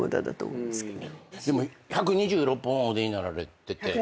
でも１２６本お出になられてて。